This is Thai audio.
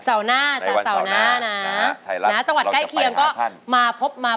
เพื่อจะไปชิงรางวัลเงินล้าน